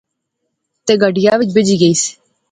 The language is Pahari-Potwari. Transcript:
تہ گڈیا وچ بہجی گئیس